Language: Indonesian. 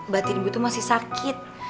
bati ibu tuh masih sakit